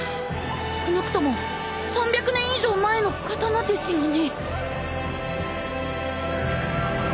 少なくとも３００年以上前の刀ですよね。